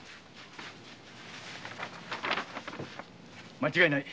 間違いない。